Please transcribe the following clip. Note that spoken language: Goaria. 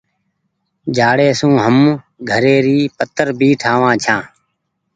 جآڙي سون هم گھري ري پتر ڀي ٺآ وآن ڇآن۔